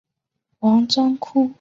王章枯是清朝贡生。